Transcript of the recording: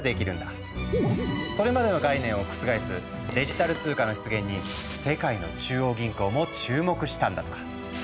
それまでの概念を覆すデジタル通貨の出現に世界の中央銀行も注目したんだとか。